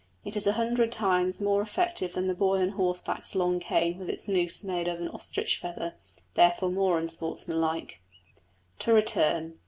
It is a hundred times more effective than the boy on horseback's long cane with its noose made of an ostrich feather therefore more unsportsmanlike. To return.